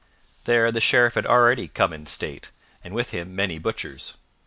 There the Sheriff had already come in state, and with him many butchers.